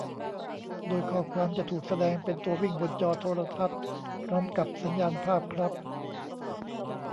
โดยข้อความจะถูกแสดงเป็นตัววิ่งบนจอโทรทัศน์พร้อมกับสัญญาณภาพครับ